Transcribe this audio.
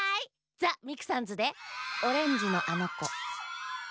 ザ・ミクさんズで「オレンジのあのこ」。